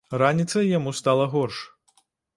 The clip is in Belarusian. Раніцай яму стала горш.